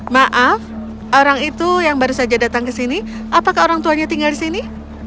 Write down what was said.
maaf orang itu yang baru saja datang ke sini apakah orang tuanya tinggal di sini